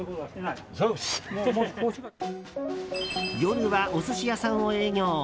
夜はお寿司屋さんを営業。